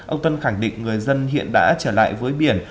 ông tân khẳng định người dân hiện đã trở lại với biển